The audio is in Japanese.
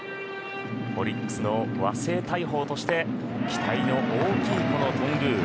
オリックスの和製大砲として期待の大きい、この頓宮。